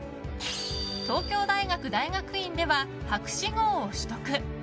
東京大学大学院では博士号を取得。